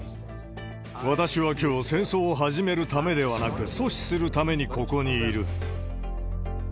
私はきょう、戦争を始めるためではなく、阻止するためにここにいる。